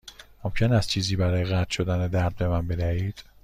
ممکن است چیزی برای قطع شدن درد به من بدهید؟